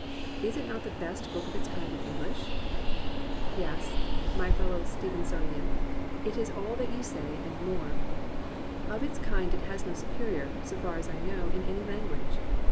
Is it not the best book of its kind in English ? Yes, my fellow Stevensonian, it is all that you say, and more, — of its kind it has no superior, so far as I know, in any language.